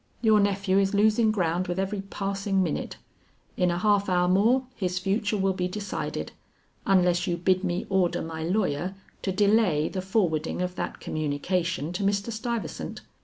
Your nephew is losing ground with every passing minute. In a half hour more his future will be decided, unless you bid me order my lawyer to delay the forwarding of that communication to Mr. Stuyvesant.